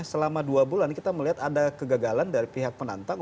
selama dua bulan kita melihat ada kegagalan dari pihak penantang